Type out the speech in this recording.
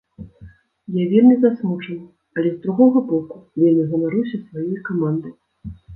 Я вельмі засмучаны, але, з другога боку, вельмі ганаруся сваёй камандай.